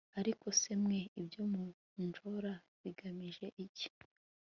ariko se mwe ibyo munjora, bigamije iki